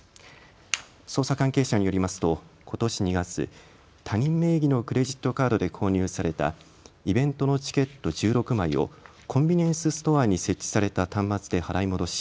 捜査関係者によりますとことし２月、他人名義のクレジットカードで購入されたイベントのチケット１６枚をコンビニエンスストアに設置された端末で払い戻し